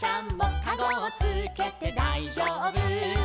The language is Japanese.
「かごをつけてだいじょうぶ」